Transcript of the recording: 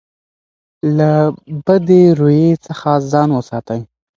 له بدې رویې څخه ځان وساتئ.